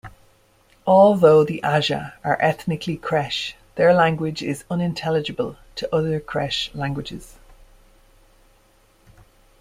Although the Aja are ethnically Kresh, their language is unintelligible to other Kresh languages.